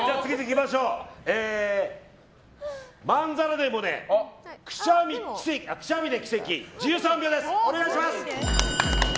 まんざらでもねぇくしゃみで奇跡、１３秒です。